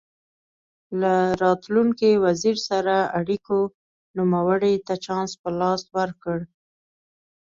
له راتلونکي وزیر سره اړیکو نوموړي ته چانس په لاس ورکړ.